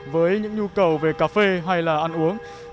với những nhu cầu về cà phê hay là ăn thịt tôi đã tập nập hàng quán này